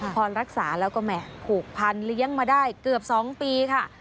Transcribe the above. พอรักษาแล้วก็แห่ผูกพันเลี้ยงมาได้เกือบ๒ปีค่ะ